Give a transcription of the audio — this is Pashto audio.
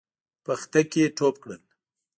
پختکه ټوپ کړل.